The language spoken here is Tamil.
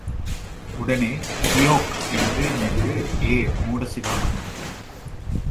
உடனே கியோக் எழுந்து நின்று ஏ மூட சிகாமணியே!